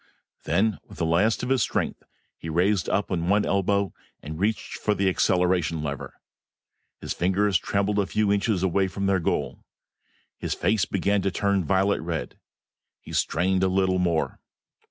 Then, with the last of his strength, he raised up on one elbow and reached for the acceleration lever. His fingers trembled a few inches away from their goal. His face began to turn violent red. He strained a little more.